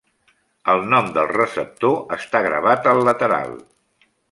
El nom del receptor està gravat al lateral.